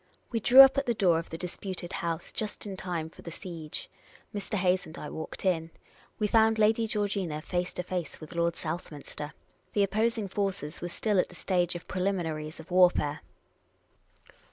We drew up at the door of the disputed house just in time for the siege. Mr. Hayes and I walked in. We found Lady Georgina face to face with Lord Southminster. The oppos ing forces were still at the stage of preliminaries of warfare.